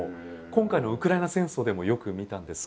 今回のウクライナ戦争でもよく見たんですけど。